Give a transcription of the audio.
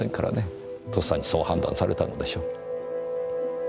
とっさにそう判断されたのでしょう。